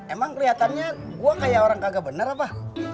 emang keliatannya gue kayak orang kagak bener apa